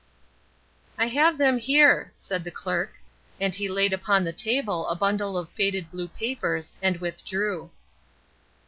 "I have them here," said the clerk, and he laid upon the table a bundle of faded blue papers, and withdrew.